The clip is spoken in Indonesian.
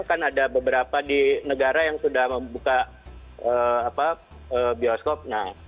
kan ada beberapa di negara yang sudah membuka bioskop